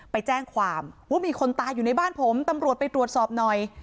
ไปแจ้งความว่ามีคนตายอยู่ในบ้านผมตำรวจไปตรวจสอบหน่อย